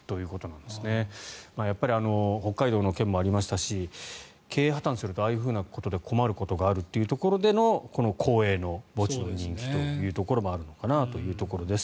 北海道の件もありましたし経営破たんするとああいうことで困ることがあるということでのこの公営の墓地の人気というところもあるのかなというところです。